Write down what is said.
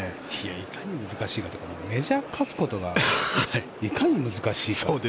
いかに難しいかっていうかメジャーに勝つことがいかに難しいか。